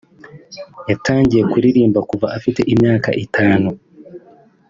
yatangiye kuririmba kuva afite imyaka itanu